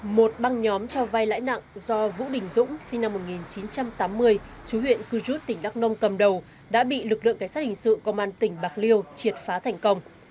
một băng nhóm cho vai lãi nặng do vũ đình dũng sinh năm một nghìn chín trăm tám mươi chú huyện cư rút tỉnh đắk nông cầm đầu đã bị lực lượng cảnh sát hình sự công an tỉnh bạc liêu triệt phá thành công